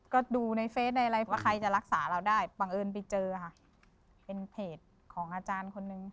ก็ดูในเฟสในอะไรว่าใครจะรักษาเราได้บังเอิญไปเจอค่ะเป็นเพจของอาจารย์คนนึง